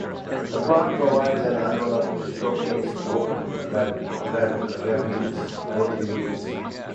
The plot provides an envelope to showcase both revues.